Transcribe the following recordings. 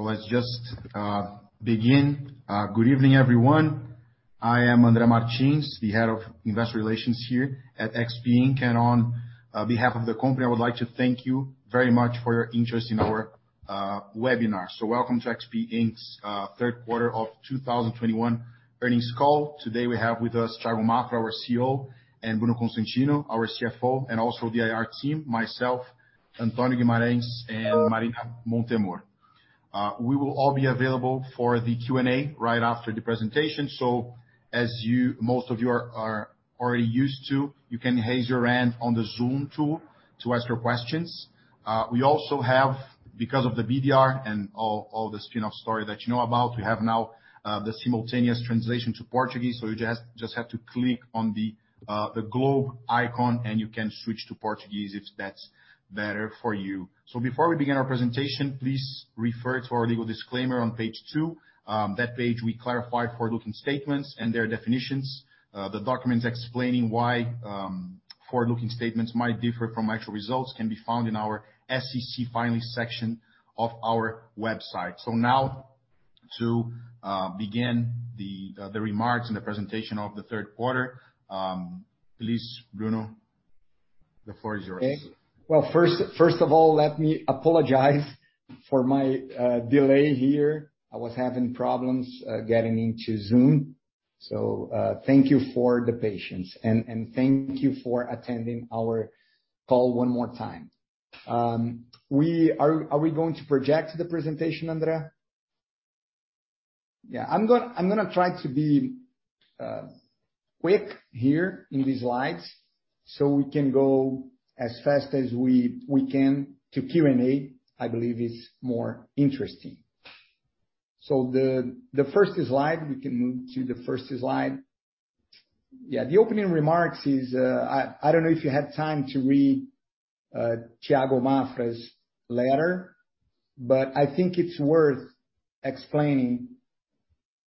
Let's just begin. Good evening, everyone. I am André Martins, the head of investor relations here at XP Inc. On behalf of the company, I would like to thank you very much for your interest in our webinar. Welcome to XP Inc.'s Third Quarter of 2021 Earnings Call. Today we have with us Thiago Maffra, our CEO, and Bruno Constantino, our CFO, and also the IR team, myself, Antonio Guimarães, and Marina Montemor. We will all be available for the Q&A right after the presentation. As most of you are already used to, you can raise your hand on the Zoom tool to ask your questions. We also have, because of the BDR and all the spin-off story that you know about, we have now the simultaneous translation to Portuguese. You just have to click on the globe icon, and you can switch to Portuguese if that's better for you. Before we begin our presentation, please refer to our legal disclaimer on page two. On that page we clarify forward-looking statements and their definitions. The documents explaining why forward-looking statements might differ from actual results can be found in our SEC Filings section of our website. Now to begin the remarks and the presentation of the third quarter, please, Bruno, the floor is yours. Okay. Well, first of all, let me apologize for my delay here. I was having problems getting into Zoom. Thank you for the patience. Thank you for attending our call one more time. Are we going to project the presentation, André? Yeah. I'm gonna try to be quick here in these slides so we can go as fast as we can to Q&A. I believe it's more interesting. The first slide, we can move to the first slide. Yeah. The opening remarks is, I don't know if you had time to read, Thiago Maffra's letter, but I think it's worth explaining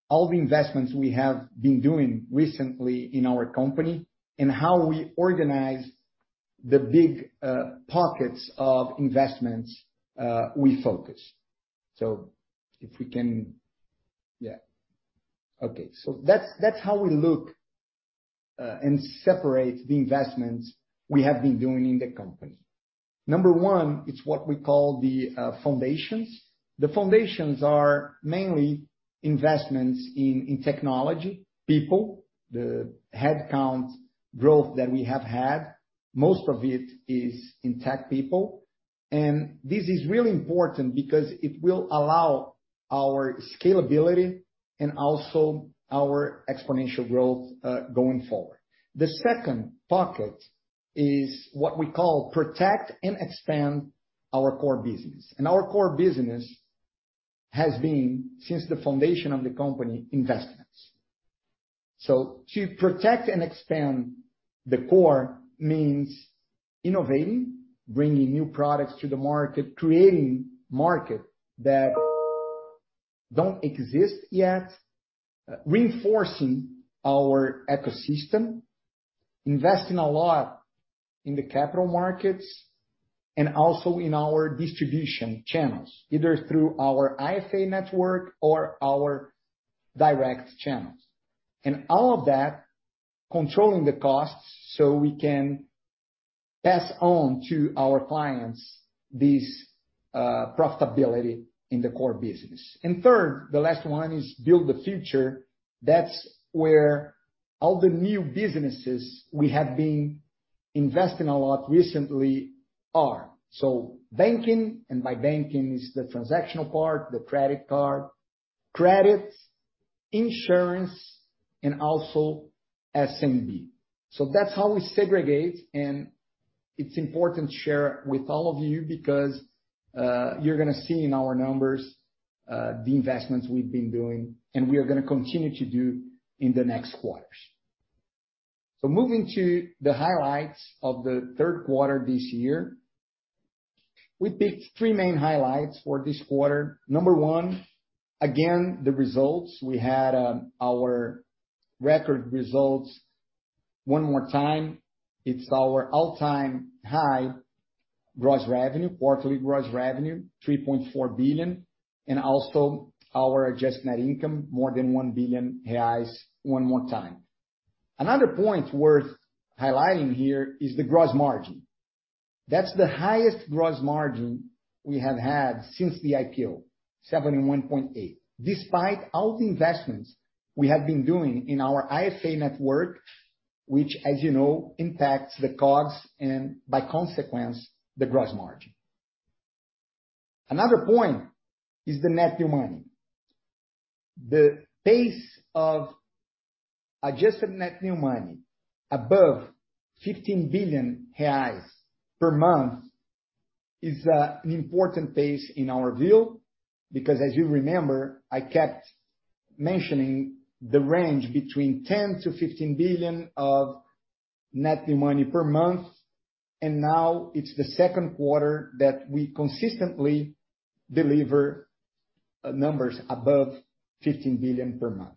all the investments we have been doing recently in our company and how we organize the big, pockets of investments, we focus. Yeah. Okay. That's how we look and separate the investments we have been doing in the company. Number one is what we call the foundations. The foundations are mainly investments in technology, people. The headcount growth that we have had, most of it is in tech people. This is really important because it will allow our scalability and also our exponential growth going forward. The second pocket is what we call protect and expand our core business. Our core business has been, since the foundation of the company, investments. To protect and expand the core means innovating, bringing new products to the market, creating market that don't exist yet, reinforcing our ecosystem, investing a lot in the capital markets, and also in our distribution channels, either through our IFA network or our direct channels. All of that controlling the costs so we can pass on to our clients this profitability in the core business. Third, the last one is build the future. That's where all the new businesses we have been investing a lot recently are. Banking, and by banking is the transactional part, the credit card, credits, insurance, and also SMB. That's how we segregate, and it's important to share with all of you because you're gonna see in our numbers the investments we've been doing, and we are gonna continue to do in the next quarters. Moving to the highlights of the third quarter this year. We picked three main highlights for this quarter. Number one, again, the results. We had our record results one more time. It's our all-time high gross revenue, quarterly gross revenue, 3.4 billion, and also our adjusted net income, more than 1 billion reais one more time. Another point worth highlighting here is the gross margin. That's the highest gross margin we have had since the IPO, 71.8%. Despite all the investments we have been doing in our IFA network, which, as you know, impacts the costs and, by consequence, the gross margin. Another point is the net new money. The pace of adjusted net new money above 15 billion reais per month is an important pace in our view. Because as you remember, I kept mentioning the range between 10 billion-15 billion of net new money per month, and now it's the second quarter that we consistently deliver numbers above 15 billion per month.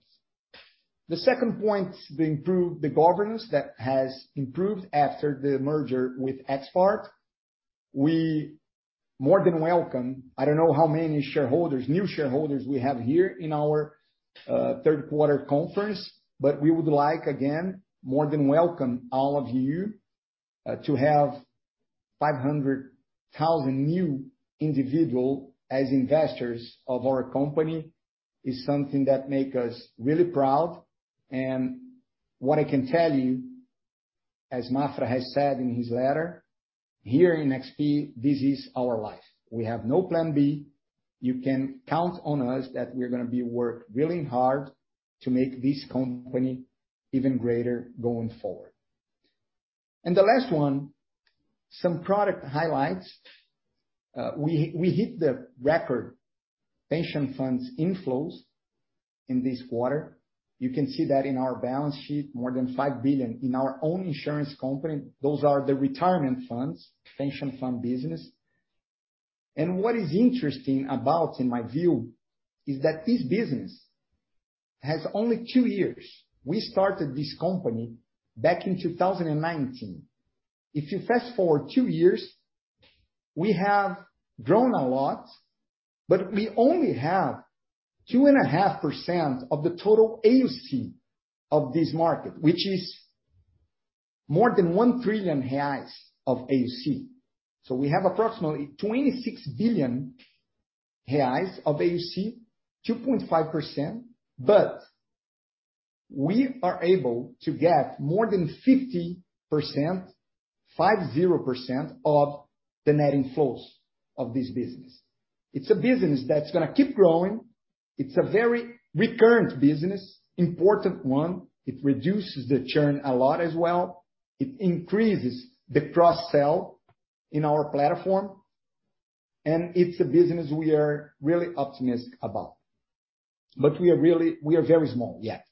The second point, the improved, the governance that has improved after the merger with XPart. We more than welcome, I don't know how many shareholders, new shareholders we have here in our third quarter conference, but we would like, again, more than welcome all of you, to have 500,000 new individual as investors of our company. Is something that make us really proud. What I can tell you, as Maffra has said in his letter, here in XP, this is our life. We have no plan B. You can count on us that we're gonna be work really hard to make this company even greater going forward. The last one, some product highlights. We hit the record pension funds inflows in this quarter. You can see that in our balance sheet, more than 5 billion in our own insurance company. Those are the retirement funds, pension fund business. What is interesting about, in my view, is that this business has only two years. We started this company back in 2019. If you fast forward two years, we have grown a lot, but we only have 2.5% of the total AUC of this market, which is more than 1 trillion reais of AUC. We have approximately 26 billion reais of AUC, 2.5%, but we are able to get more than 50%, 50% of the net inflows of this business. It's a business that's gonna keep growing. It's a very recurrent business, important one. It reduces the churn a lot as well. It increases the cross sell in our platform, and it's a business we are really optimistic about. We are very small yet.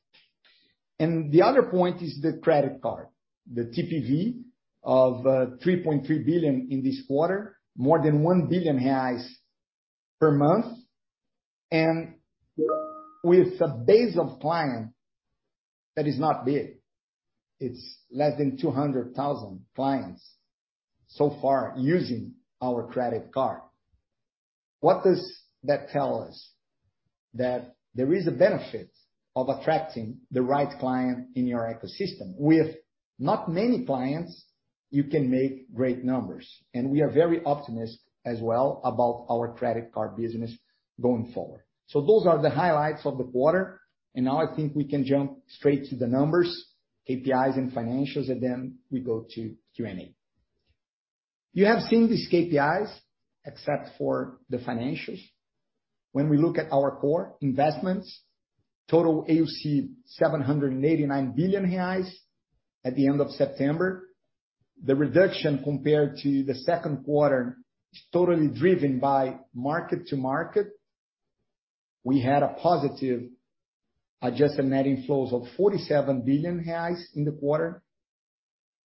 The other point is the credit card. The TPV of 3.3 billion in this quarter, more than 1 billion reais per month. With a base of client that is not big, it's less than 200,000 clients so far using our credit card. What does that tell us? That there is a benefit of attracting the right client in your ecosystem. With not many clients, you can make great numbers. We are very optimistic as well about our credit card business going forward. Those are the highlights of the quarter, and now I think we can jump straight to the numbers, KPIs and financials, and then we go to Q&A. You have seen these KPIs, except for the financials. When we look at our core investments, total AUC 789 billion reais at the end of September. The reduction compared to the second quarter is totally driven by mark-to-market. We had a positive adjusted net inflows of 47 billion reais in the quarter,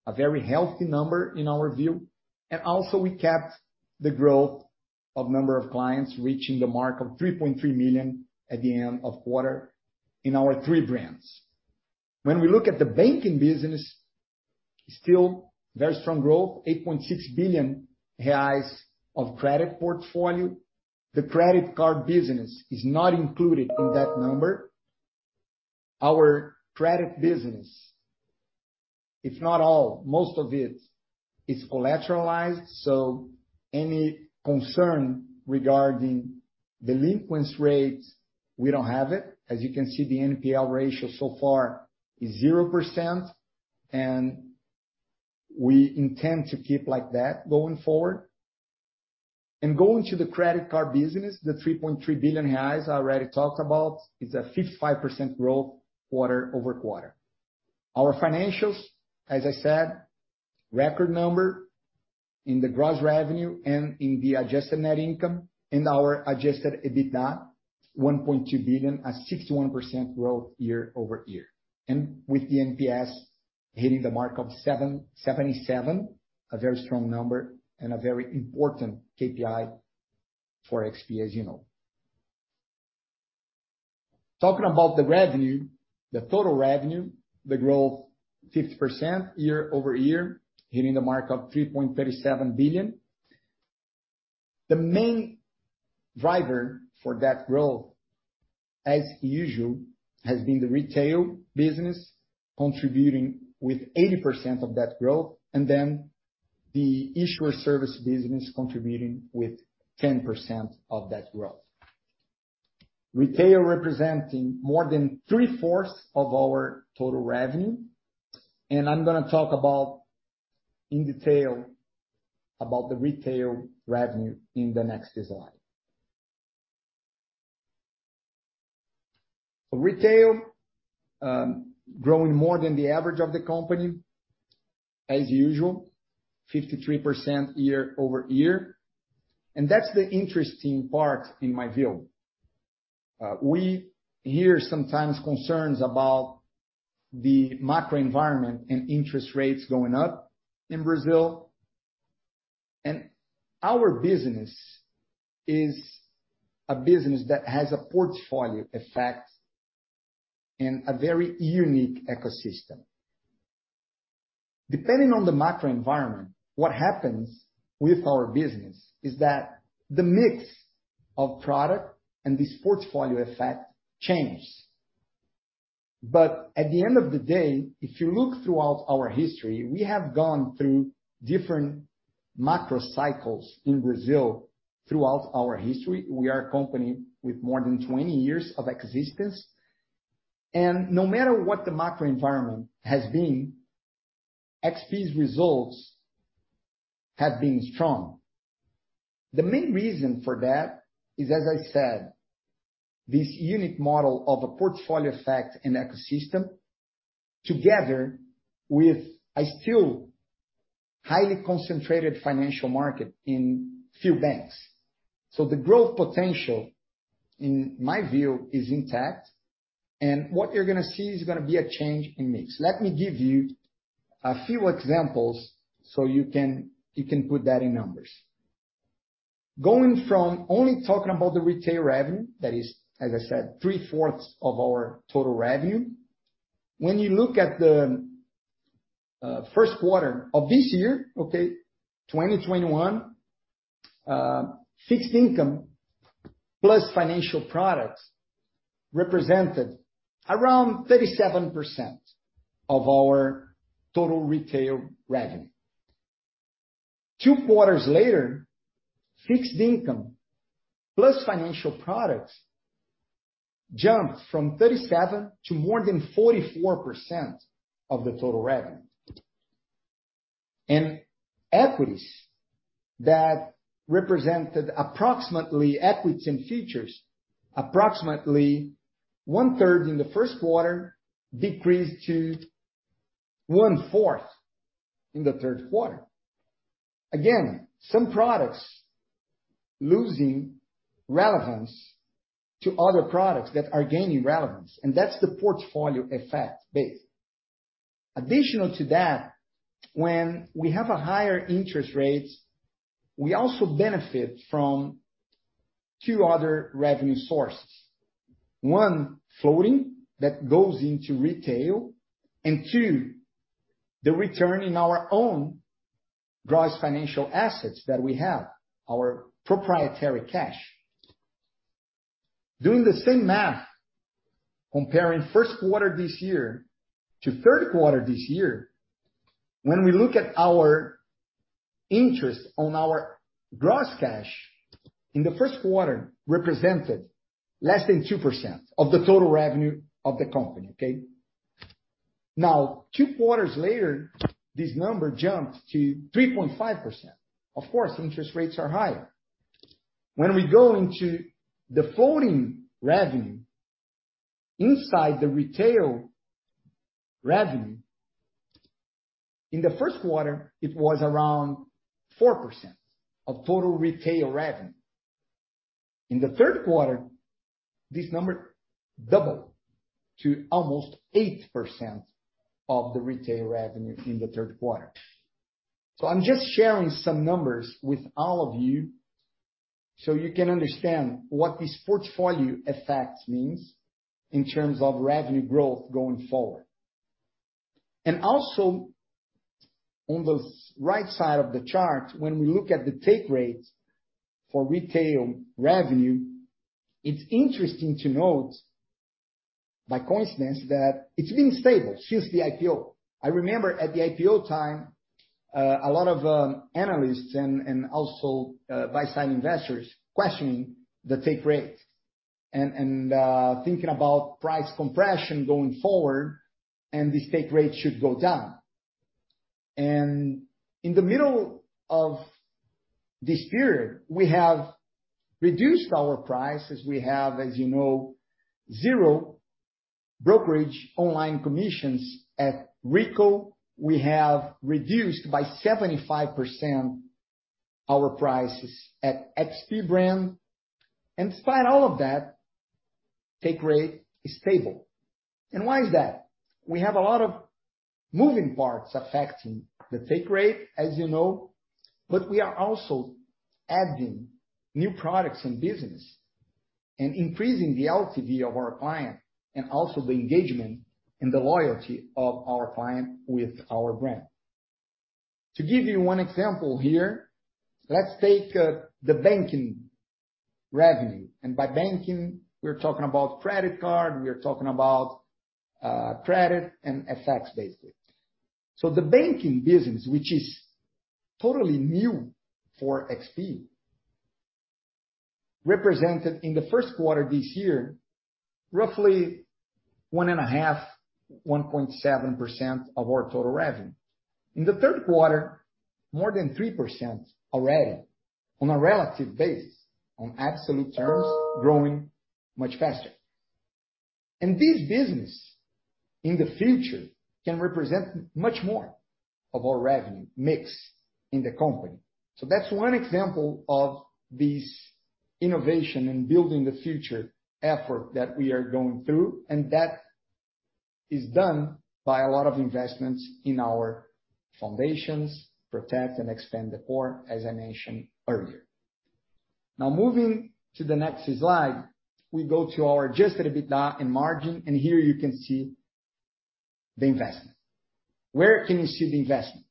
a very healthy number in our view. We kept the growth of number of clients reaching the mark of 3.3 million at the end of quarter in our three brands. When we look at the banking business, still very strong growth, 8.6 billion reais of credit portfolio. The credit card business is not included in that number. Our credit business, if not all, most of it is collateralized, so any concern regarding delinquency rates, we don't have it. As you can see, the NPL ratio so far is 0%, and we intend to keep like that going forward. Going to the credit card business, the 3.3 billion reais I already talked about, it's a 55% growth quarter-over-quarter. Our financials, as I said, record number in the gross revenue and in the adjusted net income and our adjusted EBITDA, 1.2 billion, a 61% growth year-over-year. With the NPS hitting the mark of 77, a very strong number and a very important KPI for XP, as you know. Talking about the revenue, the total revenue, the growth 50% year-over-year, hitting the mark of 3.37 billion. The main driver for that growth, as usual, has been the retail business contributing with 80% of that growth, and then the issuer service business contributing with 10% of that growth. Retail representing more than 3/4 of our total revenue, and I'm gonna talk in detail about the retail revenue in the next slide. Retail growing more than the average of the company, as usual, 53% year-over-year. That's the interesting part in my view. We hear sometimes concerns about the macro environment and interest rates going up in Brazil. Our business is a business that has a portfolio effect and a very unique ecosystem. Depending on the macro environment, what happens with our business is that the mix of product and this portfolio effect changes. At the end of the day, if you look throughout our history, we have gone through different macro cycles in Brazil throughout our history. We are a company with more than 20 years of existence. No matter what the macro environment has been, XP's results have been strong. The main reason for that is, as I said, this unique model of a portfolio effect and ecosystem together with a still highly concentrated financial market in few banks. The growth potential, in my view, is intact. What you're gonna see is gonna be a change in mix. Let me give you a few examples so you can put that in numbers. Going from only talking about the retail revenue, that is, as I said, 3/4 of our total revenue. When you look at the first quarter of this year, okay, 2021, fixed income plus financial products represented around 37% of our total retail revenue. Two quarters later, fixed income plus financial products jumped from 37% to more than 44% of the total revenue. Equities and futures, approximately 1/3 in the first quarter decreased to 1/4 in the third quarter. Again, some products losing relevance to other products that are gaining relevance, and that's the portfolio effect base. Additional to that, when we have higher interest rates, we also benefit from two other revenue sources. One, floating that goes into retail, and two, the return in our own gross financial assets that we have, our proprietary cash. Doing the same math, comparing first quarter this year to third quarter this year, when we look at our interest on our gross cash in the first quarter represented less than 2% of the total revenue of the company, okay? Now, two quarters later, this number jumped to 3.5%. Of course, interest rates are higher. When we go into the floating revenue inside the retail revenue, in the first quarter it was around 4% of total retail revenue. In the third quarter, this number doubled to almost 8% of the retail revenue in the third quarter. I'm just sharing some numbers with all of you so you can understand what this portfolio effect means in terms of revenue growth going forward. Also, on the right side of the chart, when we look at the take rate for retail revenue, it's interesting to note by coincidence that it's been stable since the IPO. I remember at the IPO time, a lot of analysts and buy-side investors questioning the take rate and thinking about price compression going forward, and this take rate should go down. In the middle of this period, we have reduced our prices. We have, as you know, zero brokerage online commissions at Rico. We have reduced by 75% our prices at XP brand. Despite all of that, take rate is stable. Why is that? We have a lot of moving parts affecting the take rate, as you know, but we are also adding new products and business and increasing the LTV of our client and also the engagement and the loyalty of our client with our brand. To give you one example here, let's take the banking revenue. By banking, we're talking about credit card, we are talking about credit and FX basically. The banking business, which is totally new for XP, represented in the first quarter this year, roughly 1.5%, 1.7% of our total revenue. In the third quarter, more than 3% already on a relative basis, on absolute terms, growing much faster. This business in the future can represent much more of our revenue mix in the company. That's one example of this innovation and building the future effort that we are going through, and that is done by a lot of investments in our foundations, protect and expand the core, as I mentioned earlier. Now moving to the next slide, we go to our adjusted EBITDA and margin, and here you can see the investment. Where can you see the investment?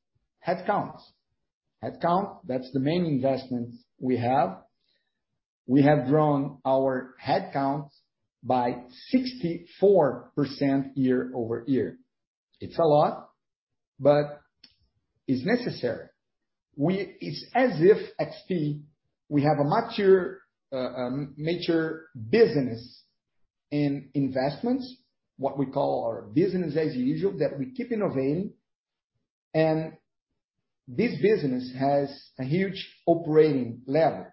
Headcounts. Headcount, that's the main investment we have. We have grown our headcounts by 64% year-over-year. It's a lot, but it's necessary. It's as if at XP we have a mature business in investments, what we call our business as usual, that we keep innovating, and this business has a huge operating leverage.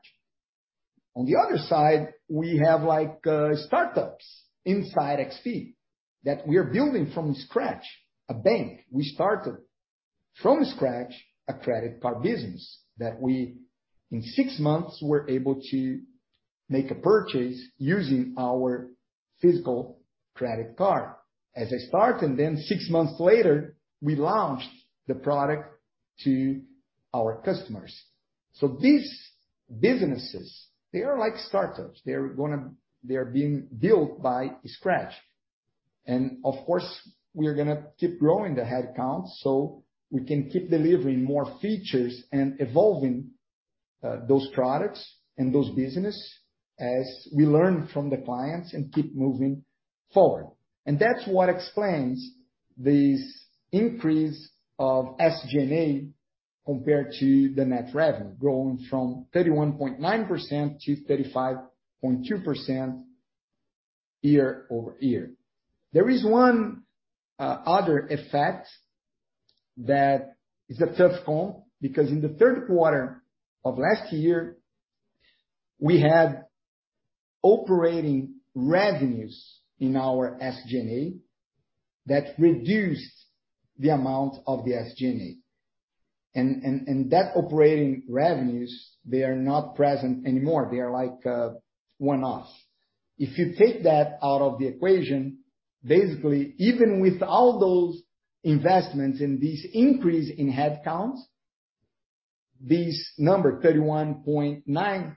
On the other side, we have like startups inside XP that we are building from scratch. A bank. We started from scratch a credit card business that we, in six months, were able to make a purchase using our physical credit card as a start, and then six months later, we launched the product to our customers. These businesses, they are like startups. They are being built from scratch. Of course, we're gonna keep growing the headcounts, so we can keep delivering more features and evolving those products and those businesses as we learn from the clients and keep moving forward. That's what explains this increase of SG&A compared to the net revenue, growing from 31.9% to 35.2% year-over-year. There is one other effect that is a tough call, because in the third quarter of last year, we had operating revenues in our SG&A that reduced the amount of the SG&A. That operating revenues, they are not present anymore. They are like a one-off. If you take that out of the equation, basically, even with all those investments and this increase in headcounts, this number, 31.9%,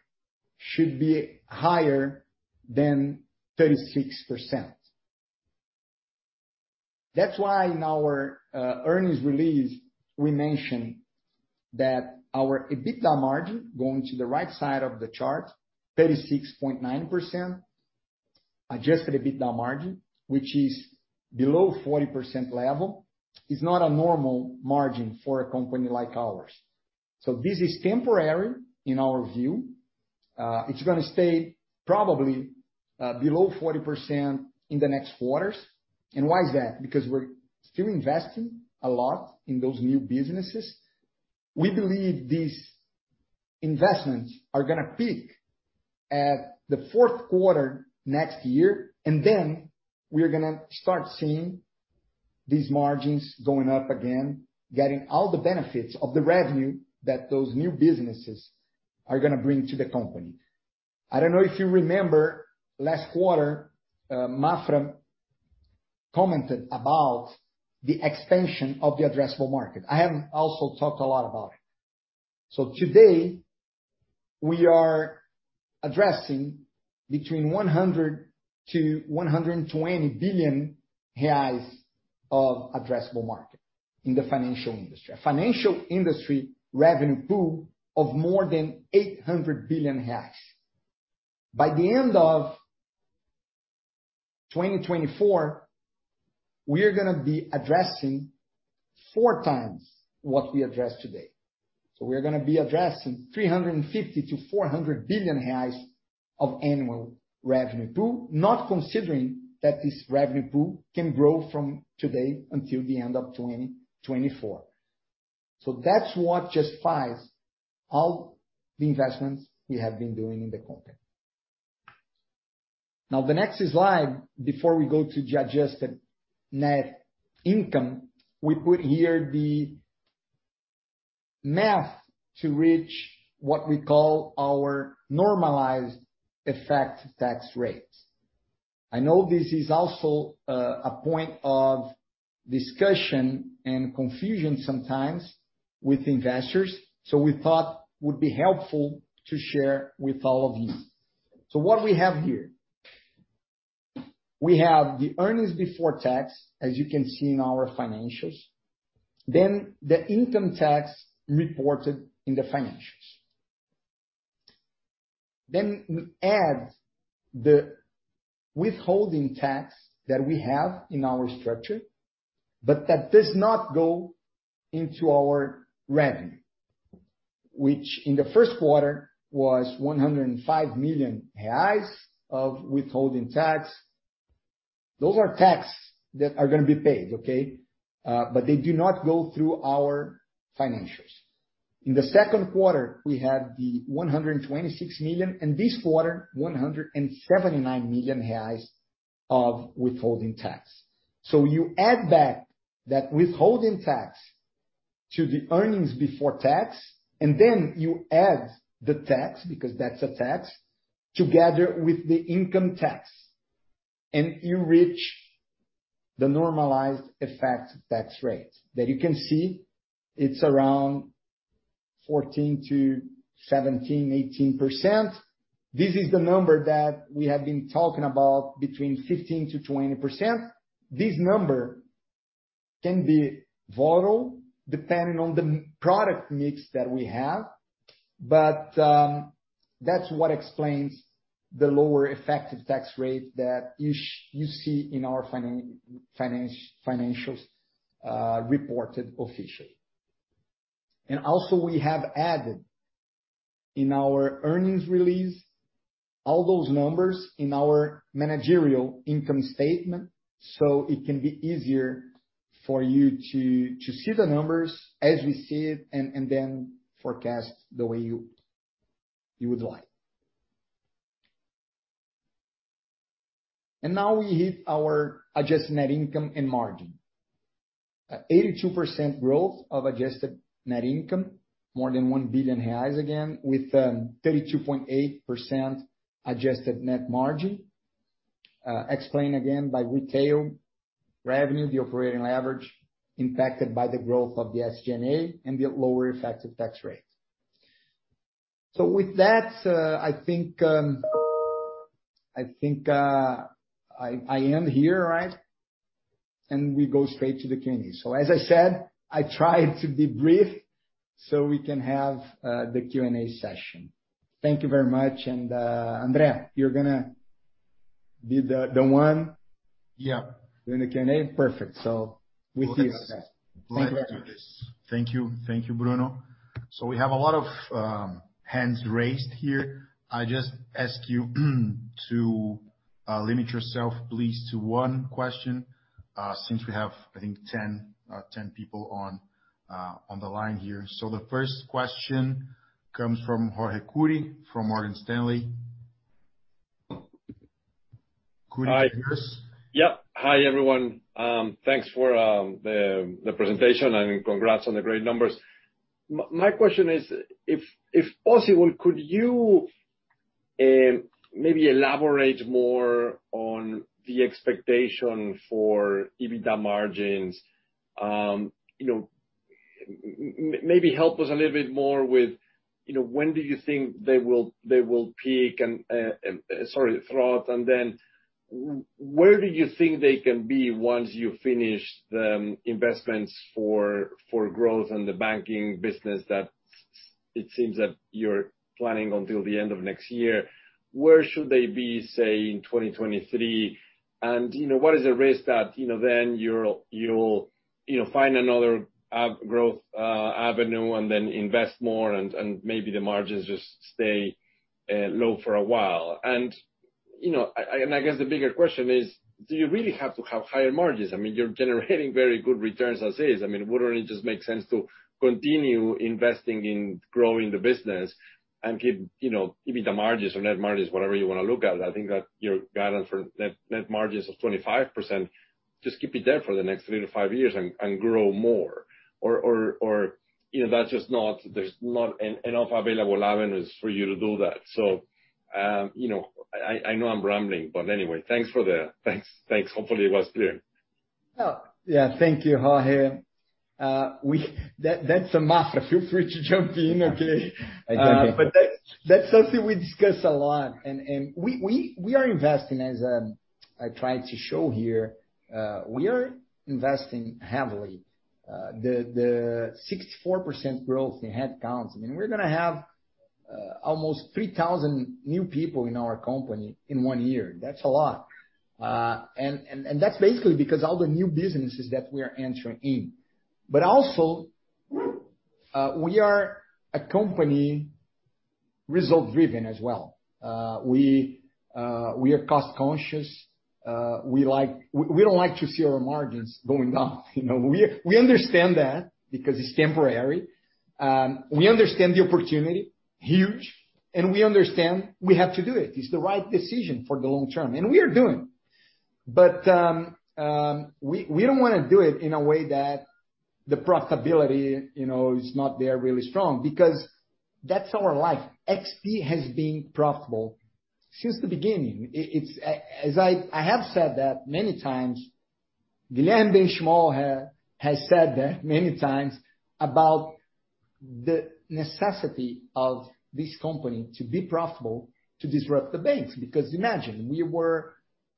should be higher than 36%. That's why in our earnings release, we mentioned that our EBITDA margin, going to the right side of the chart, 36.9%, adjusted EBITDA margin, which is below 40% level, is not a normal margin for a company like ours. This is temporary in our view. It's gonna stay probably below 40% in the next quarters. Why is that? Because we're still investing a lot in those new businesses. We believe these investments are gonna peak at the fourth quarter next year, and then we're gonna start seeing these margins going up again, getting all the benefits of the revenue that those new businesses are gonna bring to the company. I don't know if you remember last quarter, Maffra commented about the expansion of the addressable market. I haven't also talked a lot about it. Today, we are addressing between 100 billion-120 billion reais of addressable market in the financial industry. A financial industry revenue pool of more than 800 billion reais. By the end of 2024, we are gonna be addressing four times what we address today. We're gonna be addressing 350 billion-400 billion reais of annual revenue pool, not considering that this revenue pool can grow from today until the end of 2024. That's what justifies all the investments we have been doing in the company. Now, the next slide before we go to the adjusted net income, we put here the math to reach what we call our normalized effective tax rates. I know this is also a point of discussion and confusion sometimes with investors, so we thought it would be helpful to share with all of you. What we have here? We have the earnings before tax, as you can see in our financials, then the income tax reported in the financials. We add the withholding tax that we have in our structure, but that does not go into our revenue, which in the first quarter was 105 million reais of withholding tax. Those are taxes that are gonna be paid, okay? But they do not go through our financials. In the second quarter, we had 126 million, and this quarter, 179 million reais of withholding tax. You add back that withholding tax to the earnings before tax, and then you add the tax, because that's a tax, together with the income tax, and you reach the normalized effective tax rate. That you can see it's around 14%-18%. This is the number that we have been talking about between 15%-20%. This number can be volatile depending on the product mix that we have. That's what explains the lower effective tax rate that you see in our financials reported officially. Also we have added in our earnings release all those numbers in our managerial income statement, so it can be easier for you to see the numbers as we see it and then forecast the way you would like. Now we hit our adjusted net income and margin. 82% growth of adjusted net income, more than 1 billion reais again, with 32.8% adjusted net margin, explained again by retail revenue, the operating leverage impacted by the growth of the SG&A and the lower effective tax rate. With that, I think I end here, right? We go straight to the Q&A. As I said, I tried to be brief so we can have the Q&A session. Thank you very much. André, you're gonna be the one- Yeah. Doing the Q&A. Perfect. With you. Thank you. Thank you. Thank you, Bruno. We have a lot of hands raised here. I just ask you to limit yourself please to one question since we have, I think 10 people on the line here. The first question comes from Jorge Kuri from Morgan Stanley. Kuri, can you hear us? Yeah. Hi, everyone. Thanks for the presentation and congrats on the great numbers. My question is if possible, could you maybe elaborate more on the expectation for EBITDA margins? You know, maybe help us a little bit more with, you know, when do you think they will peak and, sorry, trough. And then where do you think they can be once you finish the investments for growth in the banking business that it seems that you're planning until the end of next year. Where should they be, say, in 2023? And, you know, what is the risk that, you know, then you'll find another growth avenue and then invest more and maybe the margins just stay low for a while? You know, I guess the bigger question is, do you really have to have higher margins? I mean, you're generating very good returns as is. I mean, wouldn't it just make sense to continue investing in growing the business and keep, you know, the margins or net margins, whatever you wanna look at. I think that your guidance for net margins of 25%, just keep it there for the next three to five years and grow more. Or, you know, that's just not enough available avenues for you to do that. You know, I know I'm rambling, but anyway, thanks. Thanks. Hopefully it was clear. Oh, yeah. Thank you, Jorge. That's a mantra. Feel free to jump in, okay? I got it. That, that's something we discuss a lot and we are investing, as I tried to show here, we are investing heavily. The 64% growth in headcounts, I mean, we're gonna have almost 3,000 new people in our company in one year. That's a lot. That's basically because all the new businesses that we are entering in. Also, we are a company result driven as well. We are cost conscious. We don't like to see our margins going down, you know. We understand that because it's temporary. We understand the opportunity, huge. We understand we have to do it. It's the right decision for the long term, and we are doing. We don't wanna do it in a way that the profitability, you know, is not there really strong because that's our life. XP has been profitable since the beginning. It's. As I have said that many times, Guilherme Benchimol has said that many times about the necessity of this company to be profitable to disrupt the banks. Because imagine, we were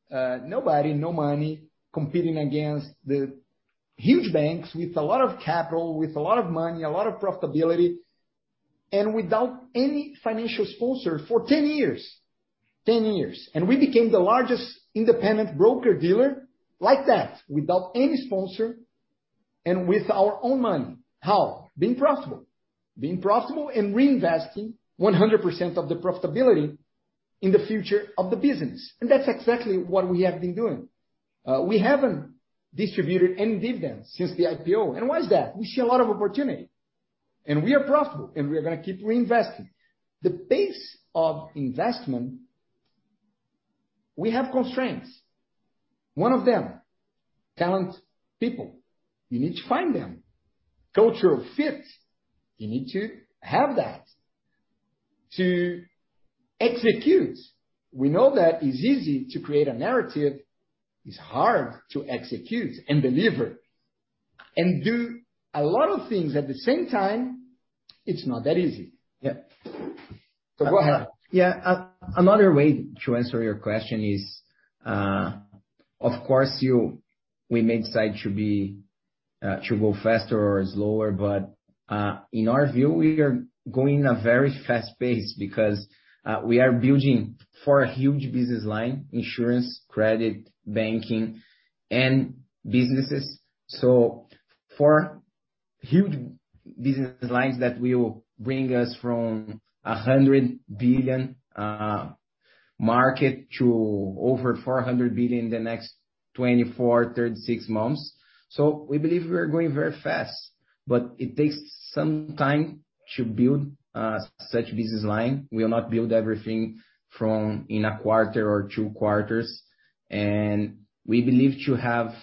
nobody, no money, competing against the huge banks with a lot of capital, with a lot of money, a lot of profitability, and without any financial sponsor for 10 years. 10 years, and we became the largest independent broker-dealer like that, without any sponsor and with our own money. How? Being profitable. Being profitable and reinvesting 100% of the profitability in the future of the business, and that's exactly what we have been doing. We haven't distributed any dividends since the IPO. Why is that? We see a lot of opportunity, and we are profitable, and we are gonna keep reinvesting. We have constraints. One of them, talent, people. You need to find them. Cultural fit, you need to have that. To execute, we know that it's easy to create a narrative, it's hard to execute and deliver. Do a lot of things at the same time, it's not that easy. Yeah. Go ahead. Yeah. Another way to answer your question is, of course we may decide to be, to go faster or slower, but, in our view, we are going a very fast pace because we are building for a huge business line, insurance, credit, banking and businesses. For huge business lines that will bring us from a 100 billion market to over 400 billion in the next 24-36 months. We believe we are going very fast, but it takes some time to build such business line. We will not build everything from in a quarter or two quarters. We believe to have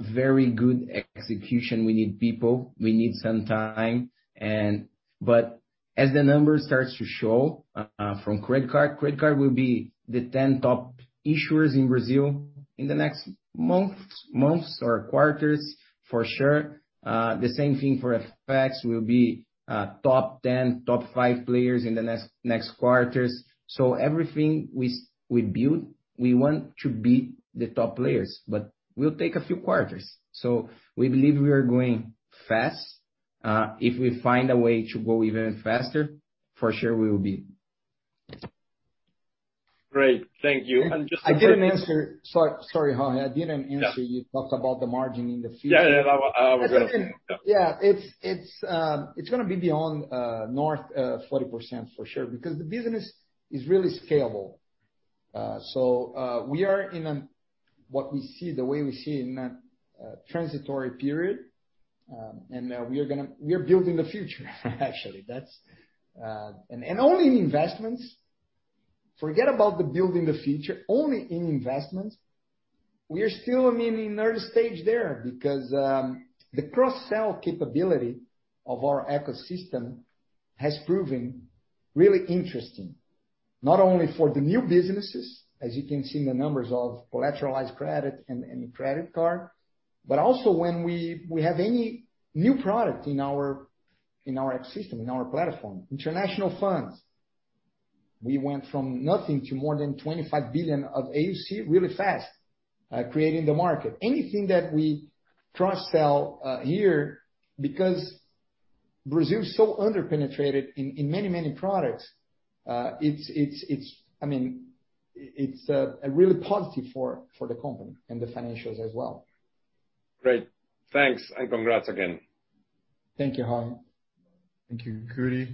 very good execution, we need people, we need some time and as the numbers starts to show, from credit card, credit card will be the top 10 issuers in Brazil in the next months or quarters, for sure. The same thing for FX, we'll be top 10, top five players in the next quarters. Everything we build, we want to be the top players, but we'll take a few quarters. We believe we are going fast. If we find a way to go even faster, for sure we will be. Great. Thank you. I didn't answer. Sorry, Jorge. Yeah. You talked about the margin in the future. Yeah. About revenue. Yeah. It's gonna be beyond north of 40% for sure, because the business is really scalable. We are in a transitory period, and we are building the future actually. That's only in investments. Forget about building the future, only in investments, we are still. I mean, in early stage there because the cross-sell capability of our ecosystem has proven really interesting, not only for the new businesses, as you can see in the numbers of collateralized credit and credit card, but also when we have any new product in our ecosystem, in our platform. International funds, we went from nothing to more than 25 billion of AUC really fast, creating the market. Anything that we cross-sell here, because Brazil is so under-penetrated in many products, it's, I mean, it's a really positive for the company and the financials as well. Great. Thanks. Congrats again. Thank you, Jorge. Thank you, Kuri.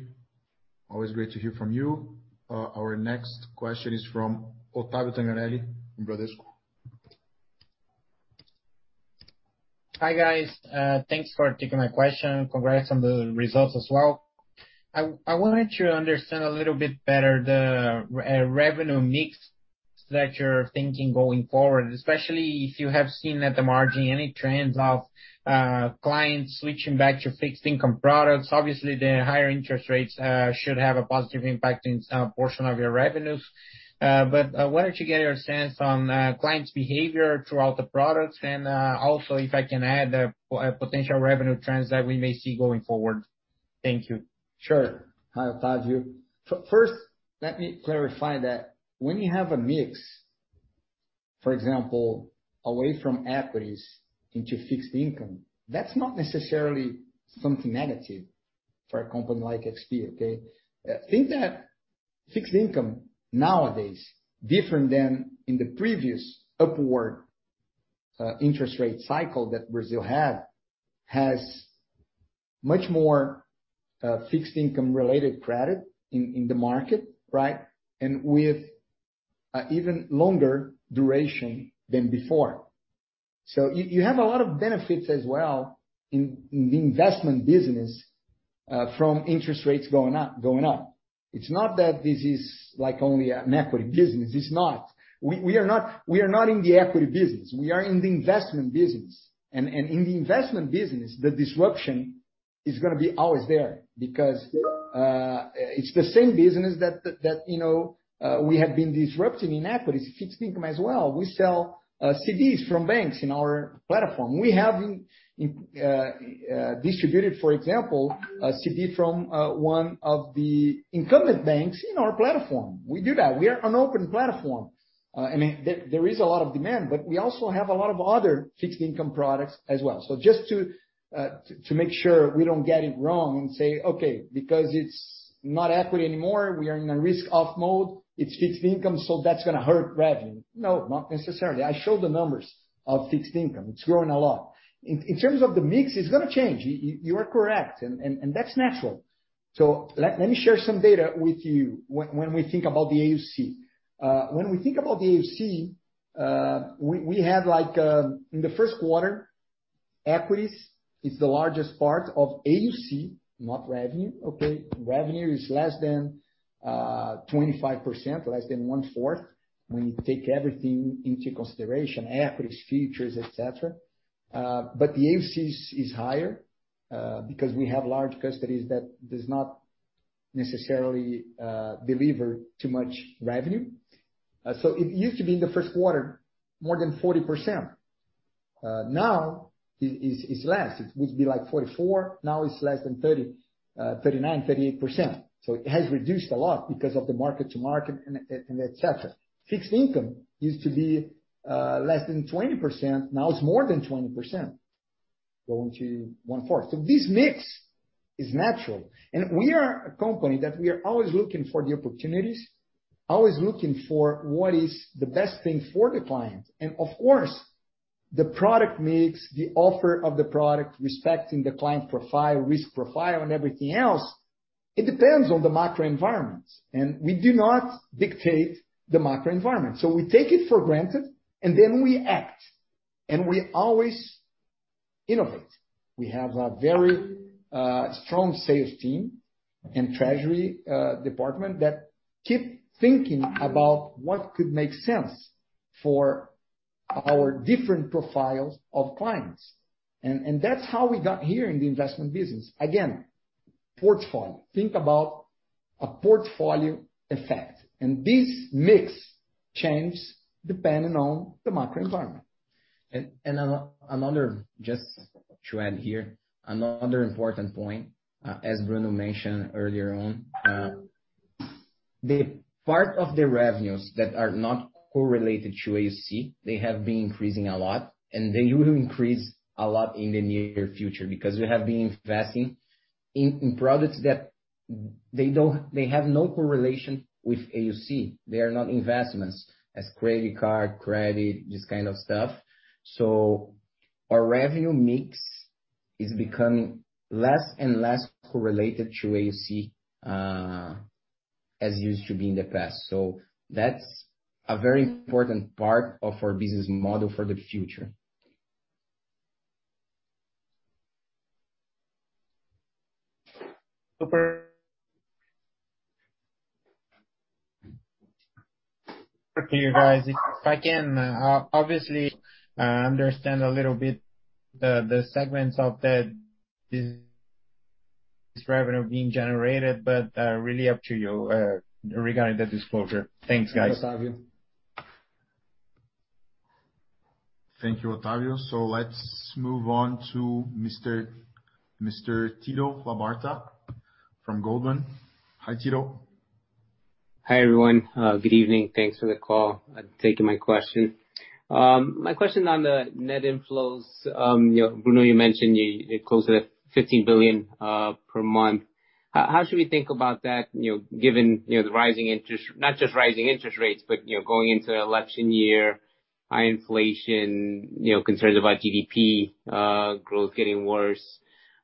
Always great to hear from you. Our next question is from Otávio Tanganelli from Bradesco BBI. Hi, guys. Thanks for taking my question. Congrats on the results as well. I wanted to understand a little bit better the revenue mix that you're thinking going forward, especially if you have seen at the margin any trends of clients switching back to fixed income products. Obviously, the higher interest rates should have a positive impact in some portion of your revenues. I wanted to get your sense on clients' behavior throughout the products. Also if I can add potential revenue trends that we may see going forward. Thank you. Sure. Hi, Otávio. First, let me clarify that when you have a mix, for example, away from equities into fixed income, that's not necessarily something negative for a company like XP, okay? Think that fixed income nowadays, different than in the previous upward interest rate cycle that Brazil had, has much more fixed income related credit in the market, right? With even longer duration than before. You have a lot of benefits as well in the investment business from interest rates going up. It's not that this is like only an equity business. It's not. We are not in the equity business. We are in the investment business. In the investment business, the disruption is gonna be always there because it's the same business that you know we have been disrupting in equities, fixed income as well. We sell CDs from banks in our platform. We have distributed, for example, a CD from one of the incumbent banks in our platform. We do that. We are an open platform. I mean, there is a lot of demand, but we also have a lot of other fixed income products as well. Just to make sure we don't get it wrong and say, "Okay, because it's not equity anymore, we are in a risk-off mode. It's fixed income, so that's gonna hurt revenue." No, not necessarily. I showed the numbers of fixed income. It's growing a lot. In terms of the mix, it's gonna change. You are correct, and that's natural. Let me share some data with you when we think about the AUC. When we think about the AUC, we have like in the first quarter, equities is the largest part of AUC, not revenue, okay? Revenue is less than 25%, less than 1/4 when you take everything into consideration, equities, futures, et cetera. But the AUC is higher because we have large custodies that does not necessarily deliver too much revenue. It used to be in the first quarter more than 40%. Now is less. It would be like 44%, now it's less than 30%, 39%, 38%. It has reduced a lot because of the mark-to-market and et cetera. Fixed income used to be less than 20%, now it's more than 20%, going to one-fourth. This mix is natural. We are a company that we are always looking for the opportunities, always looking for what is the best thing for the client. Of course, the product mix, the offer of the product, respecting the client profile, risk profile, and everything else, it depends on the macro environment, and we do not dictate the macro environment. We take it for granted, and then we act, and we always innovate. We have a very strong sales team and treasury department that keep thinking about what could make sense for our different profiles of clients. That's how we got here in the investment business. Again, portfolio. Think about a portfolio effect. This mix changes depending on the macro environment. Just to add here, another important point, as Bruno mentioned earlier on, the part of the revenues that are not correlated to AUC, they have been increasing a lot, and they will increase a lot in the near future because we have been investing in products that they have no correlation with AUC. They are not investments as credit card, this kind of stuff. Our revenue mix is becoming less and less correlated to AUC, as used to be in the past. That's a very important part of our business model for the future. Sure. If I can, obviously, I understand a little bit the segments of the distribution of this revenue being generated, but really up to you regarding the disclosure. Thanks, guys. Thank you, Otávio. Let's move on to Mr. Tito Labarta from Goldman. Hi, Tito. Hi, everyone. Good evening. Thanks for the call. Thank you. My question on the net inflows, you know, Bruno, you mentioned you closed at 15 billion per month. How should we think about that, you know, given the rising interest. Not just rising interest rates, but, you know, going into election year, high inflation, you know, concerns about GDP growth getting worse.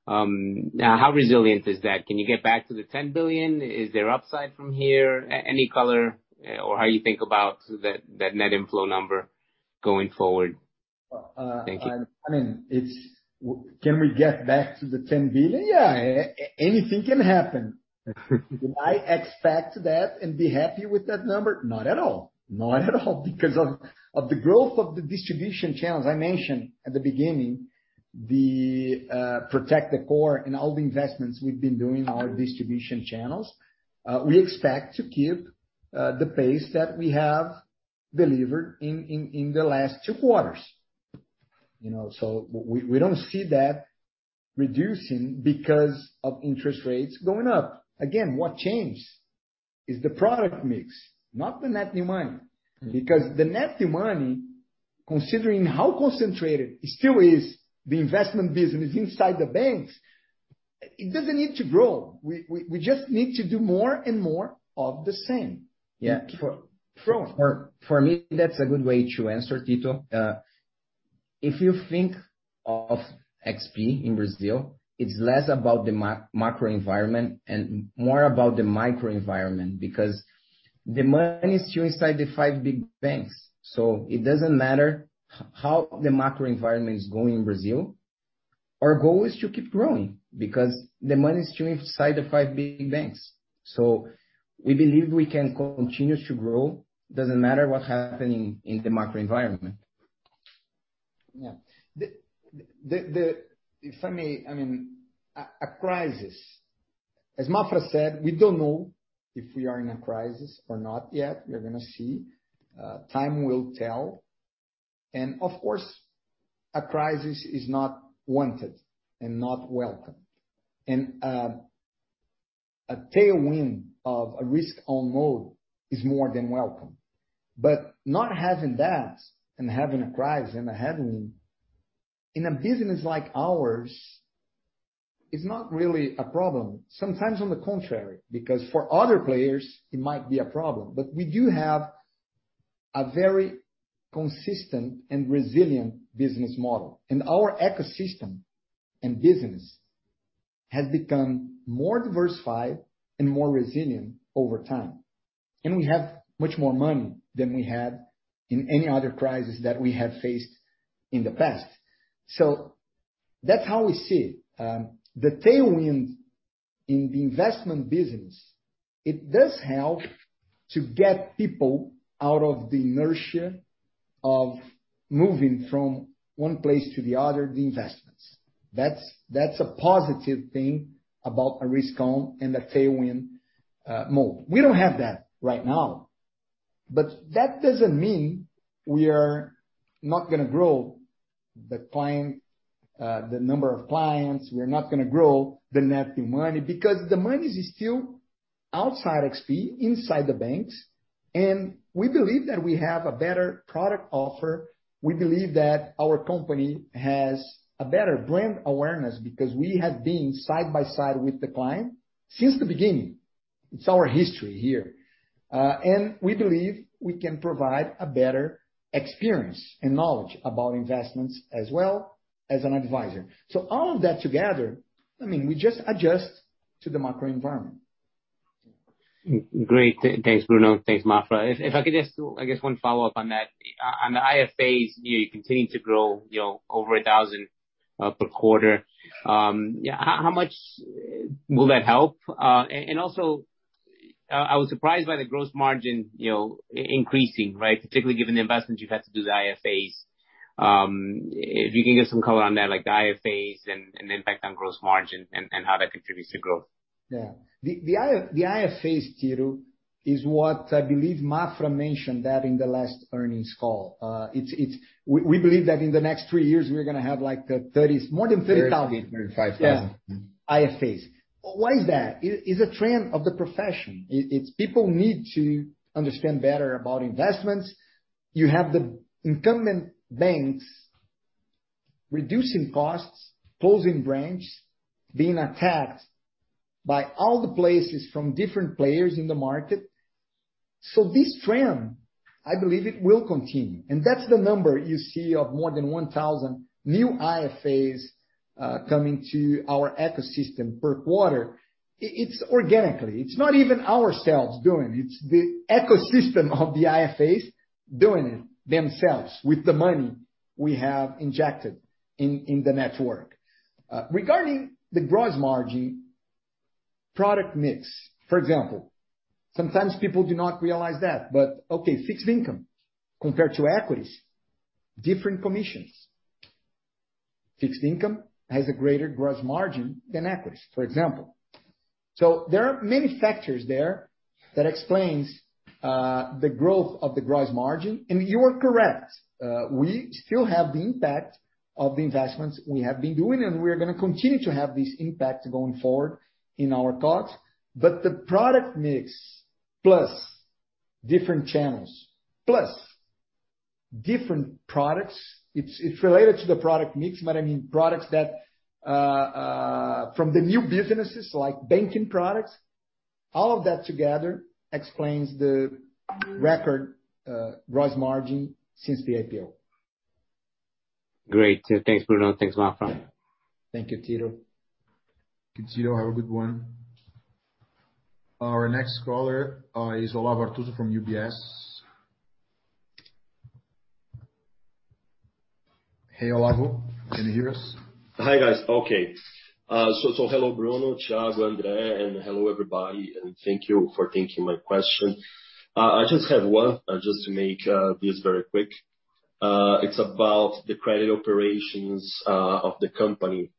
How resilient is that? Can you get back to the 10 billion? Is there upside from here? Any color or how you think about that net inflow number going forward? Thank you. I mean, can we get back to the 10 billion? Yeah, anything can happen. Do I expect that and be happy with that number? Not at all. Because of the growth of the distribution channels, I mentioned at the beginning the protect the core and all the investments we've been doing in our distribution channels, we expect to keep the pace that we have delivered in the last two quarters. You know, we don't see that reducing because of interest rates going up. Again, what changed is the product mix, not the net new money. Because the net new money, considering how concentrated it still is, the investment business inside the banks, it doesn't need to grow. We just need to do more and more of the same. Yeah. Keep growing. For me, that's a good way to answer, Tito. If you think of XP in Brazil, it's less about the macro environment and more about the micro environment because the money is still inside the five big banks. It doesn't matter how the macro environment is going in Brazil. Our goal is to keep growing because the money is still inside the five big banks. We believe we can continue to grow. Doesn't matter what's happening in the macro environment. Yeah. If I may, I mean, a crisis, as Maffra said, we don't know if we are in a crisis or not yet. We're gonna see. Time will tell. Of course, a crisis is not wanted and not welcome. A tailwind of a risk on mode is more than welcome. But not having that and having a crisis and a headwind in a business like ours is not really a problem. Sometimes on the contrary, because for other players it might be a problem. But we do have a very consistent and resilient business model, and our ecosystem and business has become more diversified and more resilient over time. We have much more money than we had in any other crisis that we have faced in the past. So that's how we see the tailwind in the investment business. It does help to get people out of the inertia of moving from one place to the other, the investments. That's a positive thing about a risk-on and a tailwind mode. We don't have that right now, but that doesn't mean we are not gonna grow the client, the number of clients. We're gonna grow the net new money because the money is still outside XP, inside the banks, and we believe that we have a better product offer. We believe that our company has a better brand awareness because we have been side by side with the client since the beginning. It's our history here. We believe we can provide a better experience and knowledge about investments as well as an advisor. All of that together, I mean, we just adjust to the macro environment. Great. Thanks, Bruno. Thanks, Maffra. If I could just do one follow-up on that, I guess. On the IFAs, you know, you continue to grow, you know, over 1,000 per quarter. Yeah, how much will that help? And also, I was surprised by the gross margin, you know, increasing, right? Particularly given the investments you've had to do with the IFAs. If you can give some color on that, like the IFAs and the impact on gross margin and how that contributes to growth. Yeah. The IFAs, Tito, is what I believe Maffra mentioned that in the last earnings call. We believe that in the next three years we're gonna have, like, more than 30,000- 35,000. Yeah. IFAs. Why is that? It is a trend of the profession. It's people need to understand better about investments. You have the incumbent banks reducing costs, closing branches, being attacked by all the places from different players in the market. This trend, I believe it will continue, and that's the number you see of more than 1,000 new IFAs coming to our ecosystem per quarter. It's organically. It's not even ourselves doing it. It's the ecosystem of the IFAs doing it themselves with the money we have injected in the network. Regarding the gross margin product mix, for example, sometimes people do not realize that, but okay, fixed income compared to equities, different commissions. Fixed income has a greater gross margin than equities, for example. There are many factors there that explains the growth of the gross margin, and you are correct. We still have the impact of the investments we have been doing, and we're gonna continue to have this impact going forward in our COGS. The product mix, plus different channels, plus different products, it's related to the product mix, but I mean products that from the new businesses like banking products, all of that together explains the record gross margin since the IPO. Great. Thanks, Bruno. Thanks, Maffra. Thank you, Tito. Tito, have a good one. Our next caller is Olavo Arthuzo from UBS. Hey, Olavo, can you hear us? Hi, guys. Hello, Bruno, Thiago, André, and hello everybody, and thank you for taking my question. I just have one, just to make this very quick. It's about the credit operations of the company.